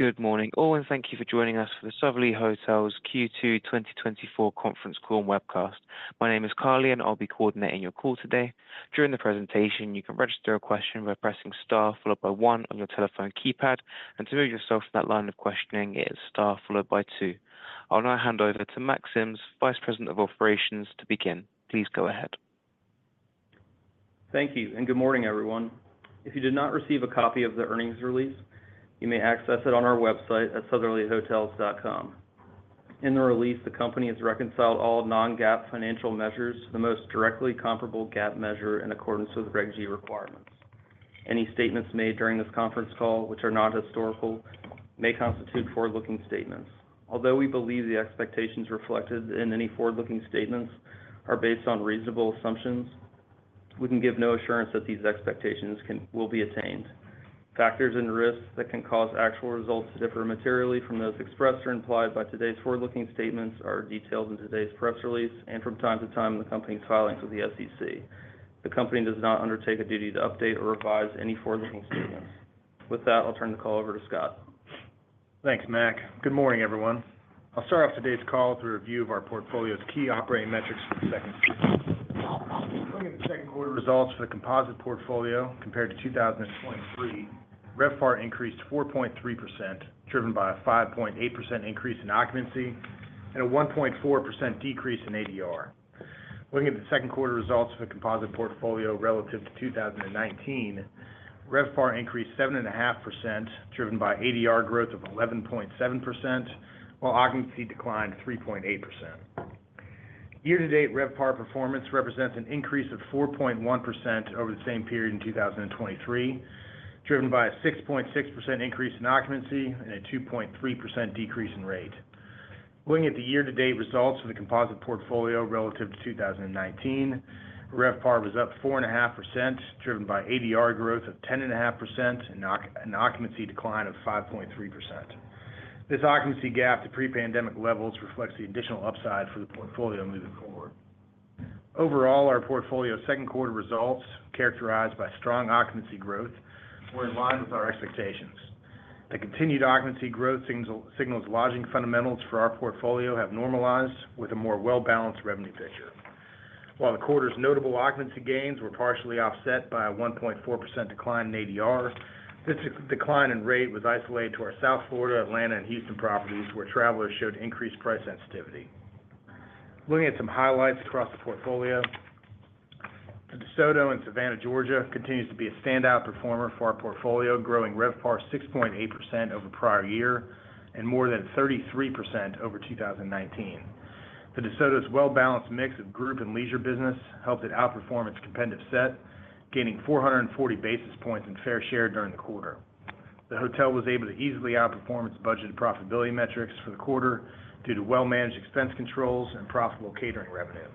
Good morning, all, and thank you for joining us for the Sotherly Hotels Q2 2024 conference call and webcast. My name is Carly, and I'll be coordinating your call today. During the presentation, you can register a question by pressing star followed by one on your telephone keypad, and to remove yourself from that line of questioning, it is star followed by two. I'll now hand over to Mack Sims, Vice President of Operations, to begin. Please go ahead. Thank you, and good morning, everyone. If you did not receive a copy of the earnings release, you may access it on our website at sotherlyhotels.com. In the release, the company has reconciled all non-GAAP financial measures, the most directly comparable GAAP measure in accordance with Reg G requirements. Any statements made during this conference call, which are not historical, may constitute forward-looking statements. Although we believe the expectations reflected in any forward-looking statements are based on reasonable assumptions, we can give no assurance that these expectations will be attained. Factors and risks that can cause actual results to differ materially from those expressed or implied by today's forward-looking statements are detailed in today's press release and from time to time in the company's filings with the SEC. The company does not undertake a duty to update or revise any forward-looking statements. With that, I'll turn the call over to Scott. Thanks, Mack. Good morning, everyone. I'll start off today's call with a review of our portfolio's key operating metrics for the Q2. Looking at the Q2 results for the composite portfolio compared to 2023, RevPAR increased 4.3%, driven by a 5.8% increase in occupancy and a 1.4% decrease in ADR. Looking at the Q2 results of the composite portfolio relative to 2019, RevPAR increased 7.5%, driven by ADR growth of 11.7%, while occupancy declined 3.8%. Year-to-date RevPAR performance represents an increase of 4.1% over the same period in 2023, driven by a 6.6% increase in occupancy and a 2.3% decrease in rate. Looking at the year-to-date results for the composite portfolio relative to 2019, RevPAR was up 4.5%, driven by ADR growth of 10.5% and an occupancy decline of 5.3%. This occupancy gap to pre-pandemic levels reflects the additional upside for the portfolio moving forward. Overall, our portfolio Q2 results, characterized by strong occupancy growth, were in line with our expectations. The continued occupancy growth signals lodging fundamentals for our portfolio have normalized with a more well-balanced revenue picture. While the quarter's notable occupancy gains were partially offset by a 1.4% decline in ADR, this decline in rate was isolated to our South Florida, Atlanta, and Houston properties, where travelers showed increased price sensitivity. Looking at some highlights across the portfolio, The DeSoto in Savannah, Georgia, continues to be a standout performer for our portfolio, growing RevPAR 6.8% over prior year and more than 33% over 2019. The DeSoto's well-balanced mix of group and leisure business helped it outperform its competitive set, gaining 440 basis points in fair share during the quarter. The hotel was able to easily outperform its budgeted profitability metrics for the quarter due to well-managed expense controls and profitable catering revenue.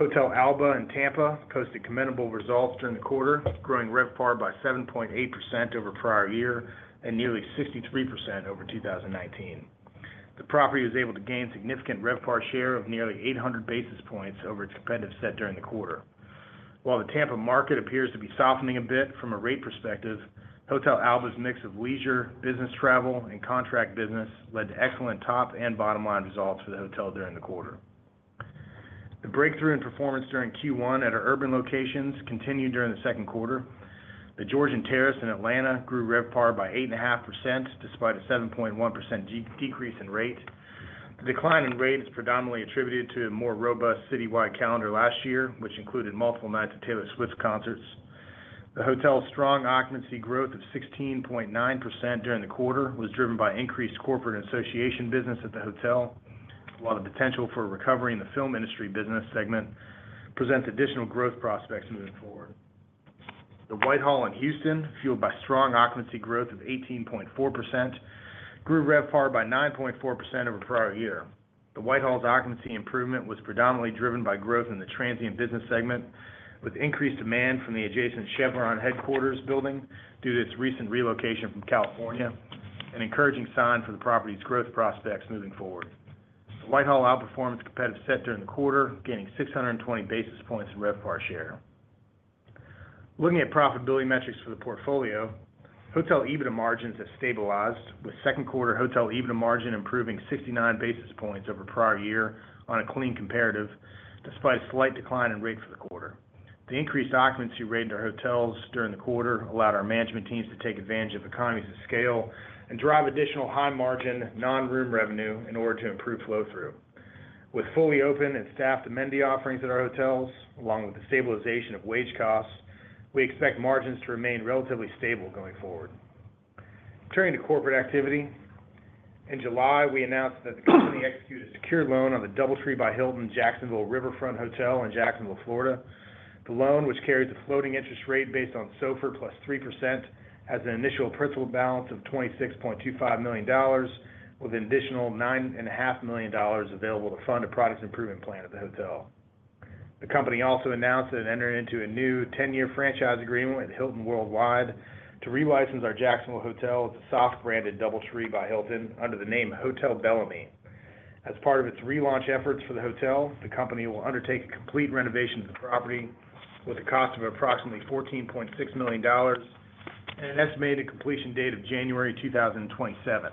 Hotel Alba in Tampa posted commendable results during the quarter, growing RevPAR by 7.8% over prior year and nearly 63% over 2019. The property was able to gain significant RevPAR share of nearly 800 basis points over its competitive set during the quarter. While the Tampa market appears to be softening a bit from a rate perspective, Hotel Alba's mix of leisure, business travel, and contract business led to excellent top and bottom line results for the hotel during the quarter. The breakthrough in performance during Q1 at our urban locations continued during the Q2. The Georgian Terrace in Atlanta grew RevPAR by 8.5%, despite a 7.1% decrease in rate. The decline in rate is predominantly attributed to a more robust citywide calendar last year, which included multiple nights of Taylor Swift's concerts. The hotel's strong occupancy growth of 16.9% during the quarter was driven by increased corporate association business at the hotel, while the potential for a recovery in the film industry business segment presents additional growth prospects moving forward. The Whitehall in Houston, fueled by strong occupancy growth of 18.4%, grew RevPAR by 9.4% over prior year. The Whitehall's occupancy improvement was predominantly driven by growth in the transient business segment, with increased demand from the adjacent Chevron headquarters building due to its recent relocation from California, an encouraging sign for the property's growth prospects moving forward. The Whitehall outperformed its competitive set during the quarter, gaining 620 basis points in RevPAR share. Looking at profitability metrics for the portfolio, hotel EBITDA margins have stabilized, with Q2 hotel EBITDA margin improving 69 basis points over prior year on a clean comparative, despite a slight decline in rate for the quarter. The increased occupancy rate in our hotels during the quarter allowed our management teams to take advantage of economies of scale and drive additional high margin, non-room revenue in order to improve flow-through. With fully open and staffed amenity offerings at our hotels, along with the stabilization of wage costs, we expect margins to remain relatively stable going forward. Turning to corporate activity. In July, we announced that the company executed a secured loan on the DoubleTree by Hilton Jacksonville Riverfront Hotel in Jacksonville, Florida. The loan, which carries a floating interest rate based on SOFR plus 3%, has an initial principal balance of $26.25 million, with an additional $9.5 million available to fund a product improvement plan at the hotel. The company also announced that it entered into a new 10-year franchise agreement with Hilton Worldwide to relicense our Jacksonville hotel as a soft-branded DoubleTree by Hilton under the name Hotel Bellamy. As part of its relaunch efforts for the hotel, the company will undertake a complete renovation of the property with a cost of approximately $14.6 million, and an estimated completion date of January 2027.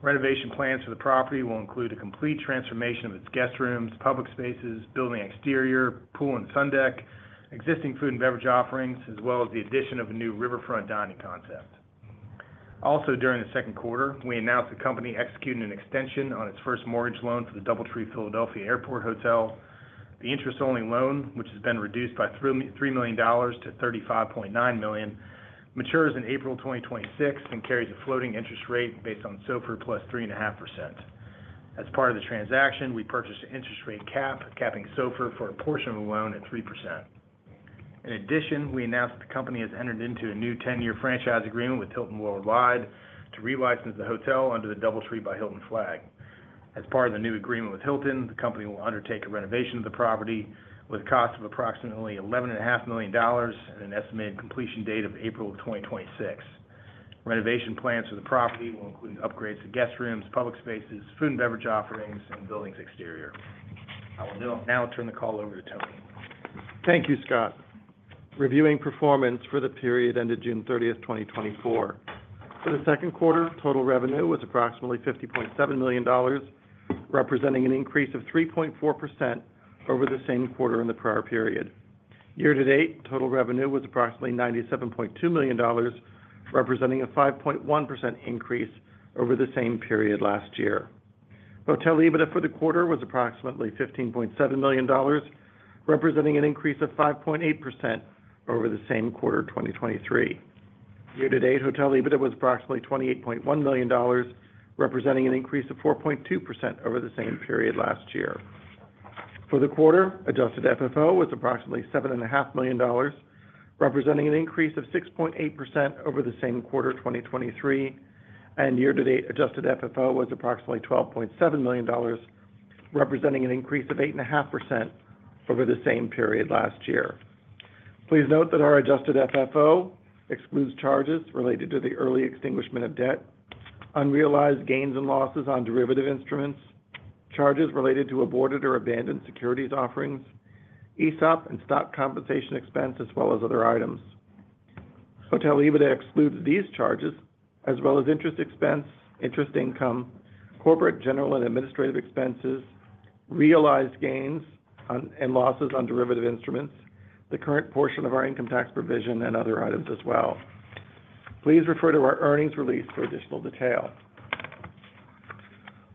Renovation plans for the property will include a complete transformation of its guest rooms, public spaces, building exterior, pool and sundeck, existing food and beverage offerings, as well as the addition of a new riverfront dining concept. Also, during the Q2, we announced the company executing an extension on its first mortgage loan for the DoubleTree Philadelphia Airport Hotel. The interest-only loan, which has been reduced by $3 million to $35.9 million, matures in April 2026 and carries a floating interest rate based on SOFR + 3.5%. As part of the transaction, we purchased an interest rate cap, capping SOFR for a portion of the loan at 3%. In addition, we announced the company has entered into a new 10-year franchise agreement with Hilton Worldwide to relicense the hotel under the DoubleTree by Hilton flag. As part of the new agreement with Hilton, the company will undertake a renovation of the property with a cost of approximately $11.5 million and an estimated completion date of April 2026. Renovation plans for the property will include upgrades to guest rooms, public spaces, food and beverage offerings, and building's exterior. I will now turn the call over to Tony. Thank you, Scott. Reviewing performance for the period ended June 30, 2024. For the Q2, total revenue was approximately $50.7 million, representing an increase of 3.4% over the same quarter in the prior period. Year to date, total revenue was approximately $97.2 million, representing a 5.1% increase over the same period last year. Hotel EBITDA for the quarter was approximately $15.7 million, representing an increase of 5.8% over the same quarter, 2023. Year to date, hotel EBITDA was approximately $28.1 million, representing an increase of 4.2% over the same period last year. For the quarter, adjusted FFO was approximately $7.5 million, representing an increase of 6.8% over the same quarter, 2023, and year-to-date adjusted FFO was approximately $12.7 million, representing an increase of 8.5% over the same period last year. Please note that our adjusted FFO excludes charges related to the early extinguishment of debt, unrealized gains and losses on derivative instruments, charges related to aborted or abandoned securities offerings, ESOP and stock compensation expense, as well as other items. Hotel EBITDA excludes these charges, as well as interest expense, interest income, corporate, general, and administrative expenses, realized gains on and losses on derivative instruments, the current portion of our income tax provision, and other items as well. Please refer to our earnings release for additional detail.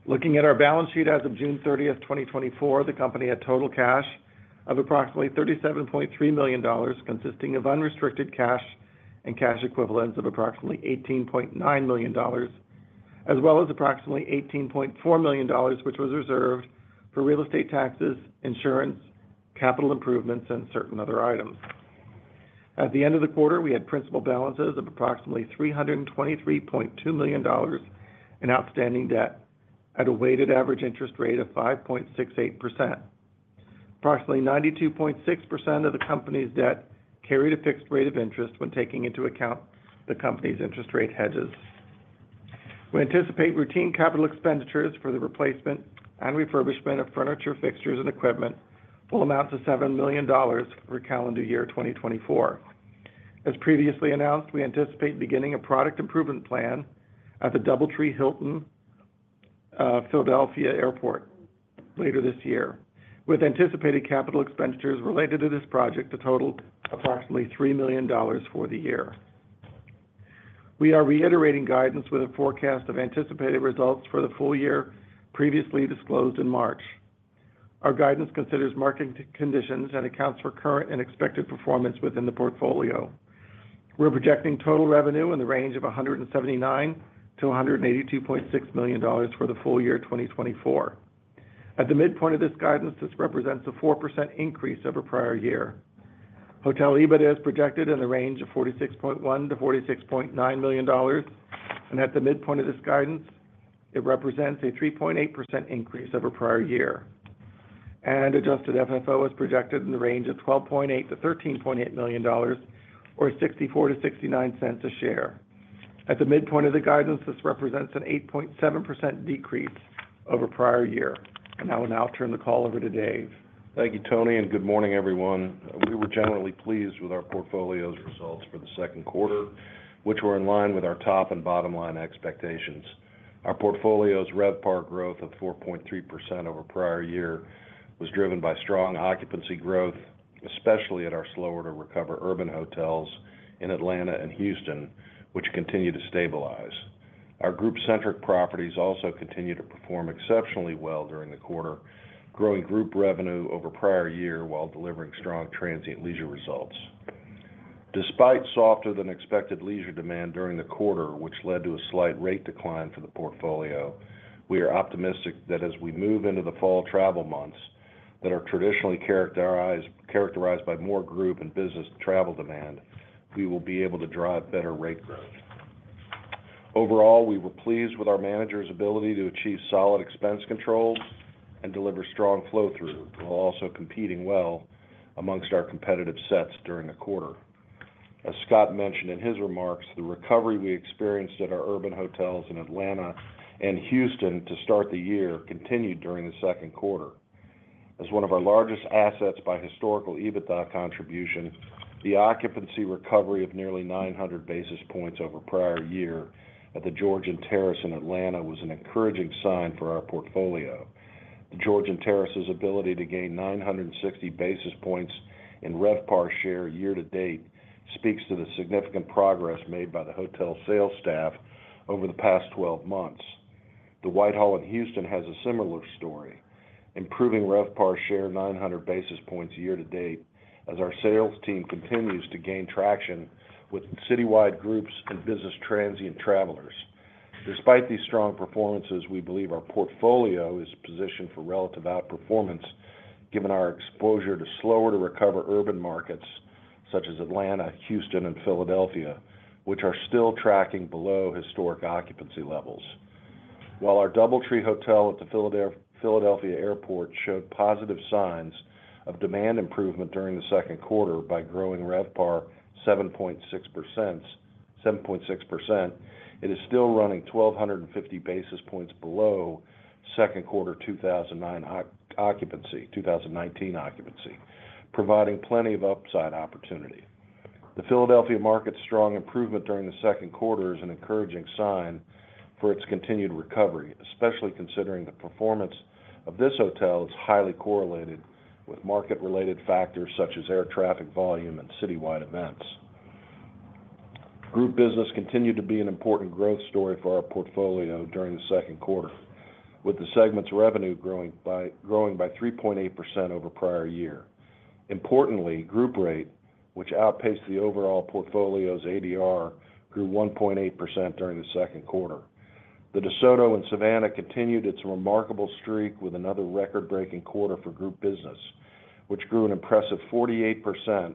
Looking at our balance sheet as of June 30, 2024, the company had total cash of approximately $37.3 million, consisting of unrestricted cash and cash equivalents of approximately $18.9 million, as well as approximately $18.4 million, which was reserved for real estate taxes, insurance, capital improvements, and certain other items. At the end of the quarter, we had principal balances of approximately $323.2 million in outstanding debt at a weighted average interest rate of 5.68%. Approximately 92.6% of the company's debt carried a fixed rate of interest when taking into account the company's interest rate hedges. We anticipate routine capital expenditures for the replacement and refurbishment of furniture, fixtures, and equipment will amount to $7 million for calendar year 2024. As previously announced, we anticipate beginning a product improvement plan at the DoubleTree by Hilton Philadelphia Airport later this year, with anticipated capital expenditures related to this project to total approximately $3 million for the year. We are reiterating guidance with a forecast of anticipated results for the full year previously disclosed in March. Our guidance considers market conditions and accounts for current and expected performance within the portfolio. We're projecting total revenue in the range of $179 million-$182.6 million for the full year 2024. At the midpoint of this guidance, this represents a 4% increase over prior year. Hotel EBITDA is projected in the range of $46.1 million-$46.9 million, and at the midpoint of this guidance, it represents a 3.8% increase over prior year. Adjusted FFO is projected in the range of $12.8 million-$13.8 million or $0.64-$0.69 a share. At the midpoint of the guidance, this represents an 8.7% decrease over prior year. I will now turn the call over to Dave. Thank you, Tony, and good morning, everyone. We were generally pleased with our portfolio's results for the Q2, which were in line with our top and bottom-line expectations. Our portfolio's RevPAR growth of 4.3% over prior year was driven by strong occupancy growth, especially at our slower-to-recover urban hotels in Atlanta and Houston, which continue to stabilize. Our group-centric properties also continued to perform exceptionally well during the quarter, growing group revenue over prior year while delivering strong transient leisure results. Despite softer-than-expected leisure demand during the quarter, which led to a slight rate decline for the portfolio, we are optimistic that as we move into the fall travel months, that are traditionally characterized by more group and business travel demand, we will be able to drive better rate growth. Overall, we were pleased with our managers' ability to achieve solid expense controls and deliver strong flow-through, while also competing well amongst our competitive sets during the quarter. ...As Scott mentioned in his remarks, the recovery we experienced at our urban hotels in Atlanta and Houston to start the year continued during the Q2. As one of our largest assets by historical EBITDA contribution, the occupancy recovery of nearly 900 basis points over prior year at The Georgian Terrace in Atlanta was an encouraging sign for our portfolio. The Georgian Terrace's ability to gain 960 basis points in RevPAR share year-to-date, speaks to the significant progress made by the hotel sales staff over the past 12 months. The Whitehall in Houston has a similar story, improving RevPAR share 900 basis points year-to-date, as our sales team continues to gain traction with citywide groups and business transient travelers. Despite these strong performances, we believe our portfolio is positioned for relative outperformance, given our exposure to slower to recover urban markets such as Atlanta, Houston and Philadelphia, which are still tracking below historic occupancy levels. While our DoubleTree hotel at the Philadelphia Airport showed positive signs of demand improvement during the Q2 by growing RevPAR 7.6%, it is still running 1,250 basis points below Q2 2019 occupancy, providing plenty of upside opportunity. The Philadelphia market's strong improvement during the Q2 is an encouraging sign for its continued recovery, especially considering the performance of this hotel is highly correlated with market-related factors such as air traffic volume and citywide events. Group business continued to be an important growth story for our portfolio during the Q2, with the segment's revenue growing by 3.8% over prior year. Importantly, group rate, which outpaced the overall portfolio's ADR, grew 1.8% during the Q2. The DeSoto in Savannah continued its remarkable streak with another record-breaking quarter for group business, which grew an impressive 48%,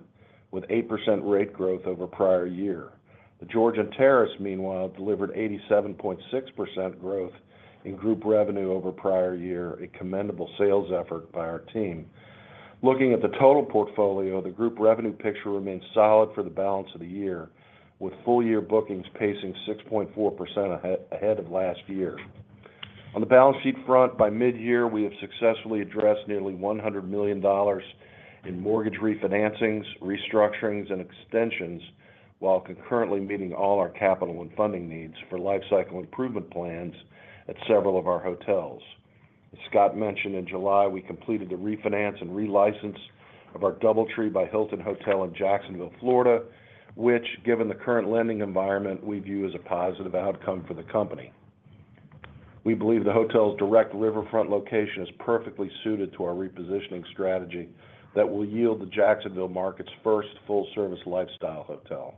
with 8% rate growth over prior year. The Georgian Terrace, meanwhile, delivered 87.6% growth in group revenue over prior year, a commendable sales effort by our team. Looking at the total portfolio, the group revenue picture remains solid for the balance of the year, with full year bookings pacing 6.4% ahead of last year. On the balance sheet front, by midyear, we have successfully addressed nearly $100 million in mortgage refinancings, restructurings, and extensions, while concurrently meeting all our capital and funding needs for lifecycle improvement plans at several of our hotels. As Scott mentioned, in July, we completed the refinance and relicense of our DoubleTree by Hilton Hotel in Jacksonville, Florida, which, given the current lending environment, we view as a positive outcome for the company. We believe the hotel's direct riverfront location is perfectly suited to our repositioning strategy that will yield the Jacksonville market's first full-service lifestyle hotel.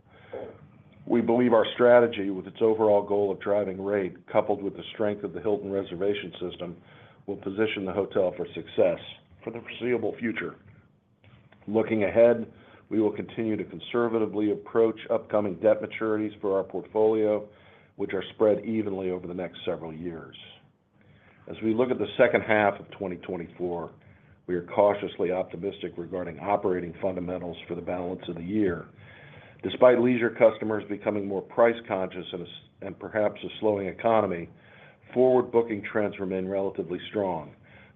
We believe our strategy, with its overall goal of driving rate, coupled with the strength of the Hilton reservation system, will position the hotel for success for the foreseeable future. Looking ahead, we will continue to conservatively approach upcoming debt maturities for our portfolio, which are spread evenly over the next several years. As we look at the second half of 2024, we are cautiously optimistic regarding operating fundamentals for the balance of the year. Despite leisure customers becoming more price conscious and and perhaps a slowing economy, forward booking trends remain relatively strong,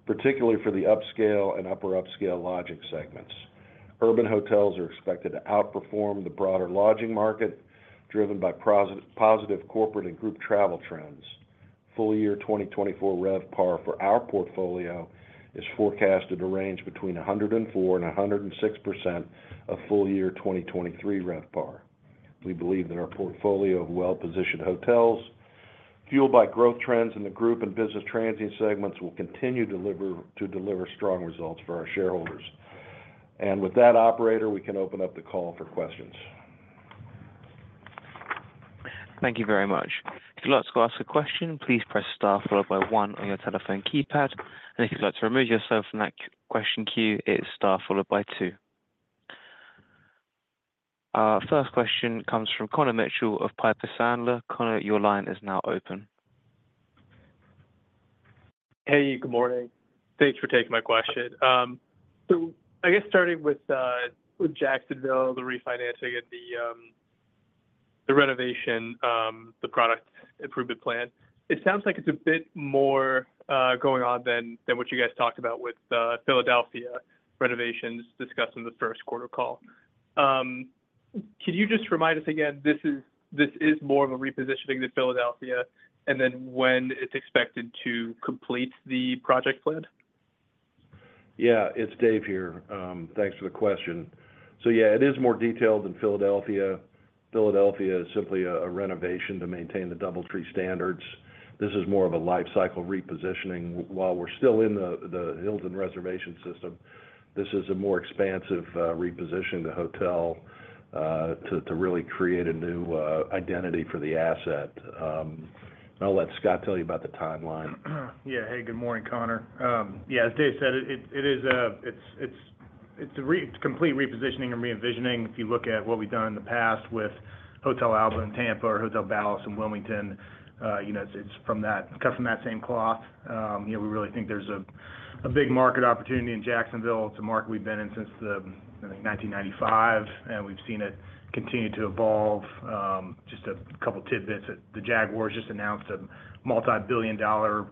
particularly for the upscale and upper upscale lodging segments. Urban hotels are expected to outperform the broader lodging market, driven by positive corporate and group travel trends. Full year 2024 RevPAR for our portfolio is forecasted to range between 104% and 106% of full year 2023 RevPAR. We believe that our portfolio of well-positioned hotels, fueled by growth trends in the group and business transient segments, will continue to deliver strong results for our shareholders. And with that, operator, we can open up the call for questions. Thank you very much. If you'd like to ask a question, please press star followed by one on your telephone keypad. And if you'd like to remove yourself from that question queue, it's star followed by two. Our first question comes from Connor Mitchell of Piper Sandler. Connor, your line is now open. Hey, good morning. Thanks for taking my question. So I guess starting with Jacksonville, the refinancing and the renovation, the product improvement plan, it sounds like it's a bit more going on than what you guys talked about with Philadelphia renovations discussed in the Q1 call. Could you just remind us again, this is more of a repositioning than Philadelphia, and then when it's expected to complete the project plan? Yeah, it's Dave here. Thanks for the question. So yeah, it is more detailed than Philadelphia. Philadelphia is simply a renovation to maintain the DoubleTree standards. This is more of a life cycle repositioning. While we're still in the Hilton reservation system, this is a more expansive reposition the hotel to really create a new identity for the asset. And I'll let Scott tell you about the timeline. Yeah. Hey, good morning, Connor. Yeah, as Dave said, it is a complete repositioning and re-envisioning. If you look at what we've done in the past with Hotel Alba in Tampa or Hotel Ballast in Wilmington, you know, it's cut from that same cloth. You know, we really think there's a big market opportunity in Jacksonville. It's a market we've been in since the, I think, 1995, and we've seen it continue to evolve. Just a couple tidbits. The Jaguars just announced a $ multi-billion-dollar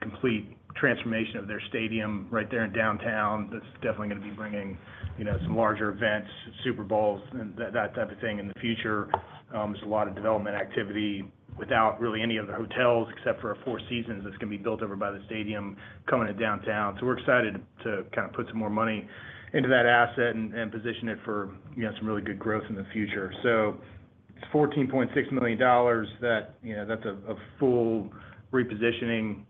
complete transformation of their stadium right there in downtown. That's definitely gonna be bringing, you know, some larger events, Super Bowls, and that type of thing in the future. There's a lot of development activity without really any of the hotels, except for a Four Seasons that's gonna be built over by the stadium coming to downtown. So we're excited to kind of put some more money into that asset and position it for, you know, some really good growth in the future. So it's $14.6 million that, you know, that's a full repositioning,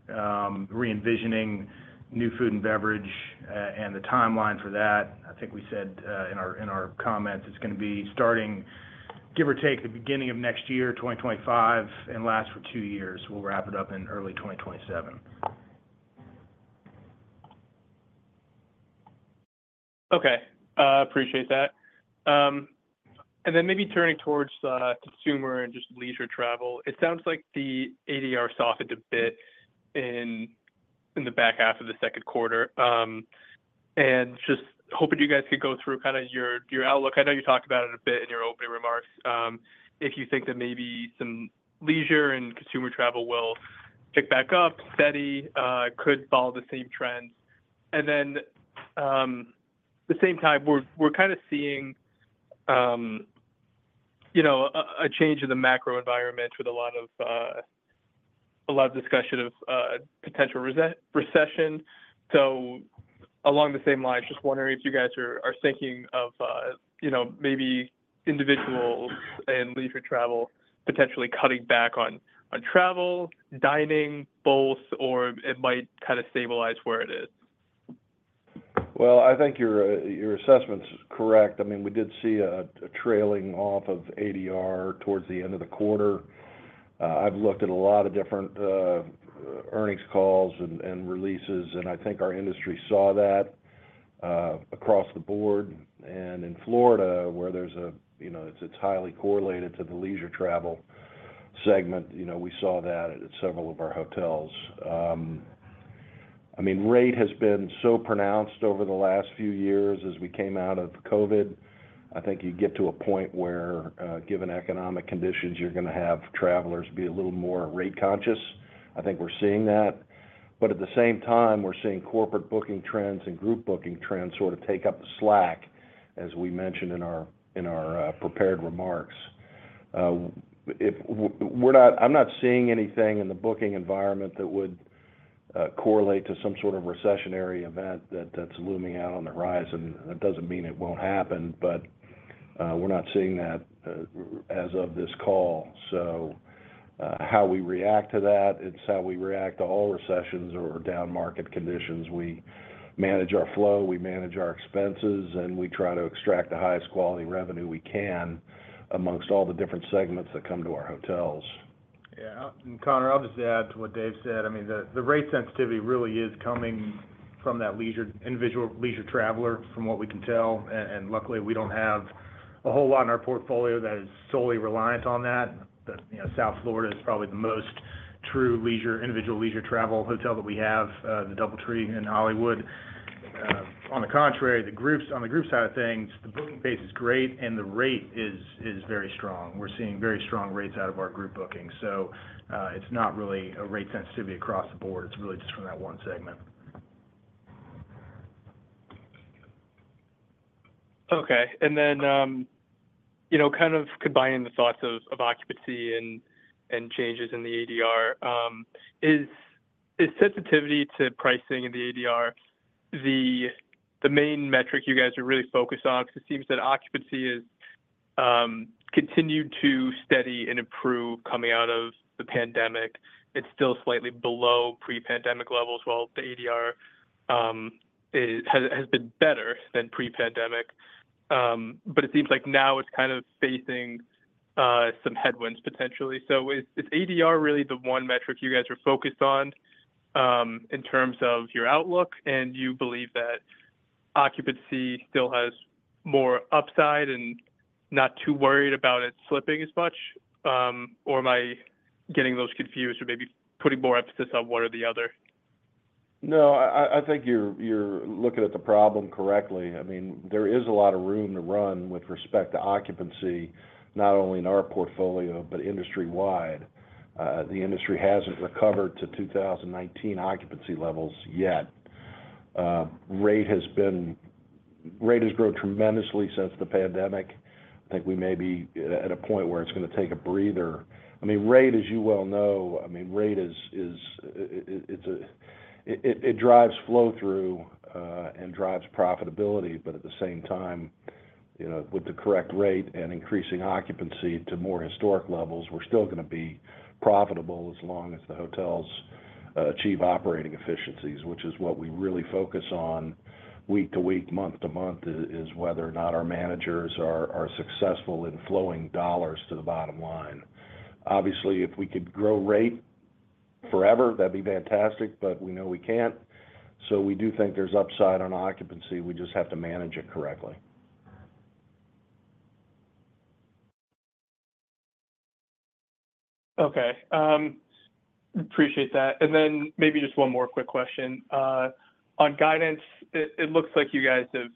re-envisioning, new food and beverage. And the timeline for that, I think we said in our—in our comments, it's gonna be starting, give or take, the beginning of next year, 2025, and last for two years. We'll wrap it up in early 2027. Okay. Appreciate that. And then maybe turning towards consumer and just leisure travel. It sounds like the ADR softened a bit in the back half of the Q2. And just hoping you guys could go through kinda your outlook. I know you talked about it a bit in your opening remarks. If you think that maybe some leisure and consumer travel will pick back up, steady, could follow the same trends. And then, at the same time, we're kind of seeing, you know, a change in the macro environment with a lot of discussion of potential recession. Along the same lines, just wondering if you guys are thinking of, you know, maybe individuals and leisure travel, potentially cutting back on travel, dining, both, or it might kind of stabilize where it is? Well, I think your assessment is correct. I mean, we did see a trailing off of ADR towards the end of the quarter. I've looked at a lot of different earnings calls and releases, and I think our industry saw that across the board. And in Florida, where there's, you know, it's highly correlated to the leisure travel segment, you know, we saw that at several of our hotels. I mean, rate has been so pronounced over the last few years as we came out of COVID. I think you get to a point where, given economic conditions, you're gonna have travelers be a little more rate conscious. I think we're seeing that. But at the same time, we're seeing corporate booking trends and group booking trends sort of take up the slack, as we mentioned in our prepared remarks. I'm not seeing anything in the booking environment that would correlate to some sort of recessionary event that's looming out on the horizon. That doesn't mean it won't happen, but we're not seeing that as of this call. So, how we react to that, it's how we react to all recessions or down market conditions. We manage our flow, we manage our expenses, and we try to extract the highest quality revenue we can amongst all the different segments that come to our hotels. Yeah. And Connor, I'll just add to what Dave said. I mean, the rate sensitivity really is coming from that leisure-- individual leisure traveler, from what we can tell, and luckily, we don't have a whole lot in our portfolio that is solely reliant on that. But, you know, South Florida is probably the most true leisure, individual leisure travel hotel that we have, the DoubleTree in Hollywood. On the contrary, the groups-- on the group side of things, the booking base is great, and the rate is very strong. We're seeing very strong rates out of our group bookings. So, it's not really a rate sensitivity across the board. It's really just from that one segment. Okay. And then, you know, kind of combining the thoughts of occupancy and changes in the ADR, is sensitivity to pricing in the ADR the main metric you guys are really focused on? Because it seems that occupancy is continued to steady and improve coming out of the pandemic. It's still slightly below pre-pandemic levels, while the ADR has been better than pre-pandemic. But it seems like now it's kind of facing some headwinds potentially. So is ADR really the one metric you guys are focused on, in terms of your outlook, and you believe that occupancy still has more upside and not too worried about it slipping as much? Or am I getting those confused or maybe putting more emphasis on one or the other? No, I think you're looking at the problem correctly. I mean, there is a lot of room to run with respect to occupancy, not only in our portfolio, but industry-wide. The industry hasn't recovered to 2019 occupancy levels yet. Rate has grown tremendously since the pandemic. I think we may be at a point where it's gonna take a breather. I mean, rate, as you well know, I mean, rate is, is... It drives flow-through and drives profitability, but at the same time, you know, with the correct rate and increasing occupancy to more historic levels, we're still gonna be profitable as long as the hotels achieve operating efficiencies, which is what we really focus on week to week, month to month, is whether or not our managers are successful in flowing dollars to the bottom line. Obviously, if we could grow rate forever, that'd be fantastic, but we know we can't. So we do think there's upside on occupancy, we just have to manage it correctly. Okay, appreciate that. And then maybe just one more quick question. On guidance, it looks like you guys have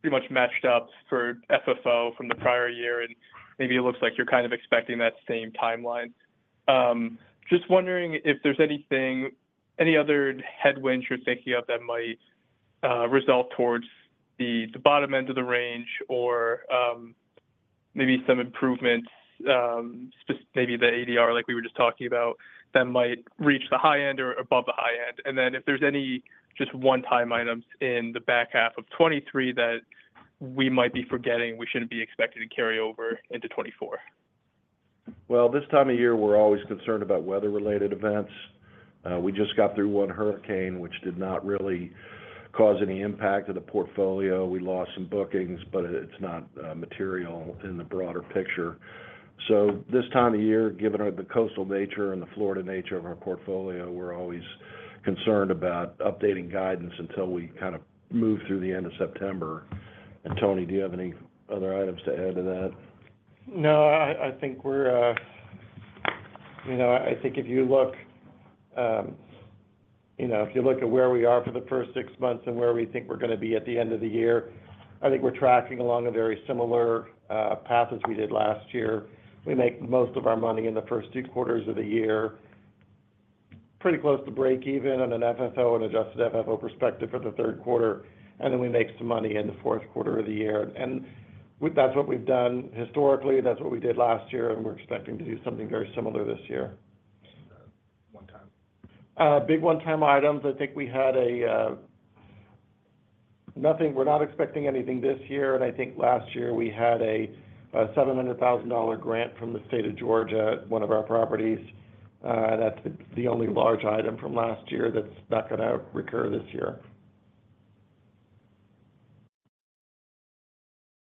pretty much matched up for FFO from the prior year, and maybe it looks like you're kind of expecting that same timeline. Just wondering if there's anything, any other headwinds you're thinking of that might resolve towards the bottom end of the range or maybe some improvements, maybe the ADR, like we were just talking about, that might reach the high end or above the high end? And then if there's any, just one-time items in the back half of 2023 that we might be forgetting, we shouldn't be expecting to carry over into 2024. Well, this time of year, we're always concerned about weather-related events. We just got through one hurricane, which did not really cause any impact to the portfolio. We lost some bookings, but it's not material in the broader picture. So this time of year, given our, the coastal nature and the Florida nature of our portfolio, we're always concerned about updating guidance until we kind of move through the end of September. And Tony, do you have any other items to add to that? No, I think we're... You know, I think if you look, you know, if you look at where we are for the first six months and where we think we're going to be at the end of the year, I think we're tracking along a very similar path as we did last year. We make most of our money in the first Q2 of the year, pretty close to breakeven on an FFO and adjusted FFO perspective for the Q, and then we make some money in the Q4 of the year. And that's what we've done historically, that's what we did last year, and we're expecting to do something very similar this year. One time? Big one-time items, I think we had nothing. We're not expecting anything this year, and I think last year we had a $700,000 grant from the state of Georgia at one of our properties. That's the only large item from last year that's not gonna recur this year.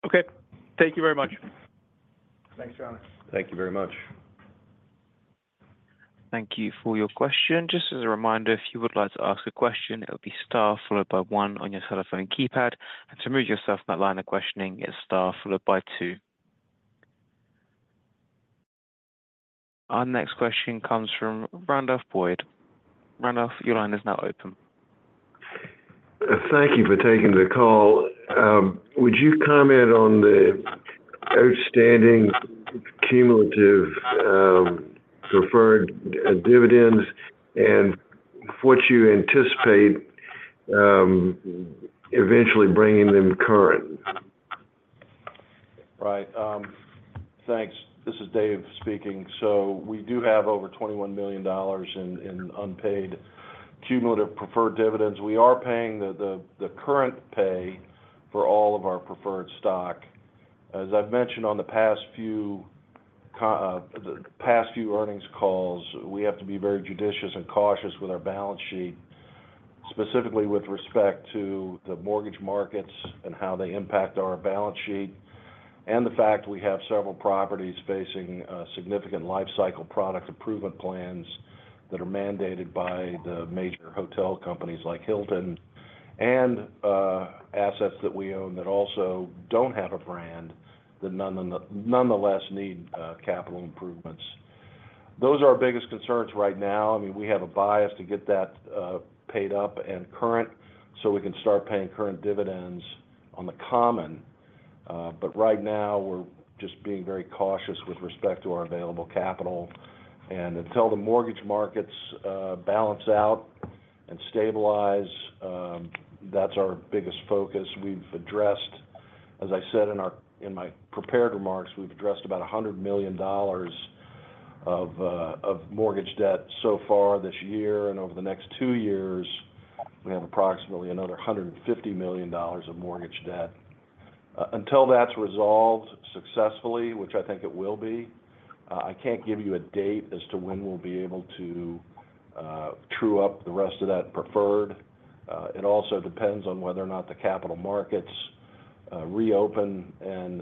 Okay. Thank you very much. Thanks, John. Thank you very much. Thank you for your question. Just as a reminder, if you would like to ask a question, it will be star followed by one on your telephone keypad. To remove yourself from that line of questioning, it's star followed by two. Our next question comes from Randolph Boyd. Randolph, your line is now open. Thank you for taking the call. Would you comment on the outstanding cumulative preferred dividends and what you anticipate eventually bringing them current? Right. Thanks. This is Dave speaking. So we do have over $21 million in unpaid cumulative preferred dividends. We are paying the current pay for all of our preferred stock. As I've mentioned on the past few earnings calls, we have to be very judicious and cautious with our balance sheet, specifically with respect to the mortgage markets and how they impact our balance sheet, and the fact we have several properties facing significant lifecycle product improvement plans that are mandated by the major hotel companies like Hilton, and assets that we own that also don't have a brand, that nonetheless need capital improvements. Those are our biggest concerns right now. I mean, we have a bias to get that, paid up and current, so we can start paying current dividends on the common. But right now, we're just being very cautious with respect to our available capital. And until the mortgage markets, balance out and stabilize, that's our biggest focus. We've addressed, as I said in my prepared remarks, we've addressed about $100 million of mortgage debt so far this year, and over the next two years, we have approximately another $150 million of mortgage debt. Until that's resolved successfully, which I think it will be, I can't give you a date as to when we'll be able to, true up the rest of that preferred. It also depends on whether or not the capital markets reopen and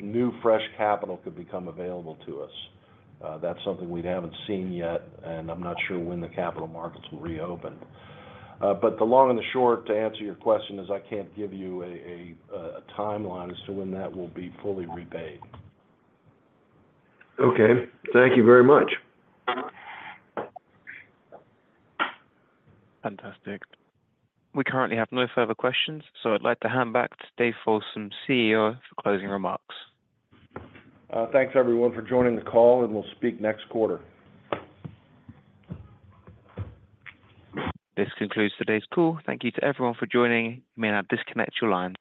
new, fresh capital could become available to us. That's something we haven't seen yet, and I'm not sure when the capital markets will reopen. But the long and the short, to answer your question, is I can't give you a timeline as to when that will be fully repaid. Okay. Thank you very much. Fantastic. We currently have no further questions, so I'd like to hand back to Dave Folsom, CEO, for closing remarks. Thanks, everyone, for joining the call, and we'll speak next quarter. This concludes today's call. Thank you to everyone for joining. You may now disconnect your line.